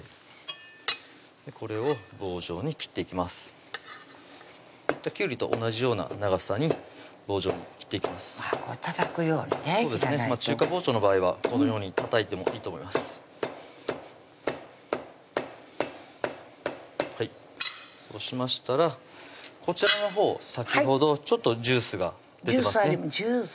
これを棒状に切っていきますきゅうりと同じような長さに棒状に切っていきますあったたくようにね中華包丁の場合はこのようにたたいてもいいと思いますそうしましたらこちらのほう先ほどちょっとジュースが出てますね